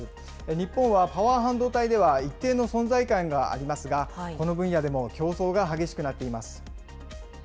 日本はパワー半導体では一定の存在感がありますが、この分野でも競争が激しくなっています。